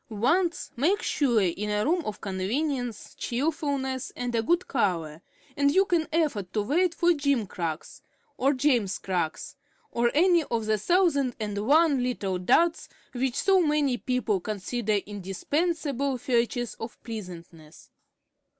Once make sure in a room of convenience, cheerfulness, and a good color, and you can afford to wait for gimcracks or "Jamescracks" or any of the thousand and one little duds which so many people consider indispensable features of pleasantness.